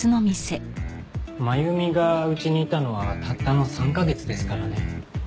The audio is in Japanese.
真弓がうちにいたのはたったの３カ月ですからね。